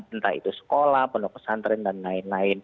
entah itu sekolah pondok pesantren dan lain lain